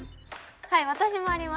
はい私もあります。